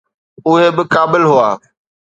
اهي به قابل هئا.